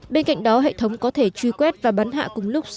bên cạnh đó hệ thống có thể truy quét và bắn hạ cùng lúc